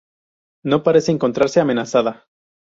No parece encontrarse amenazada.